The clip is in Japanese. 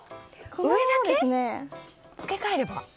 上だけ付け替えれば。